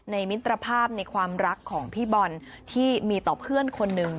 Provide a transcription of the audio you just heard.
มิตรภาพในความรักของพี่บอลที่มีต่อเพื่อนคนหนึ่ง